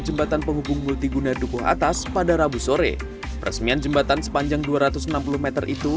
jembatan penghubung multiguna dukuh atas pada rabu sore resmian jembatan sepanjang dua ratus enam puluh m itu